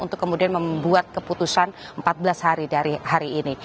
untuk kemudian membuat keputusan empat belas hari dari hari ini